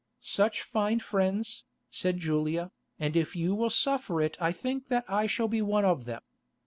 "Such find friends," said Julia, "and if you will suffer it I think that I shall be one of them."